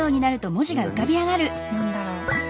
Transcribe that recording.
何だろう？